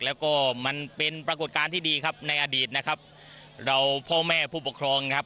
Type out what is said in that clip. แล้วก็มันเป็นปรากฏการณ์ที่ดีครับในอดีตนะครับเราพ่อแม่ผู้ปกครองนะครับ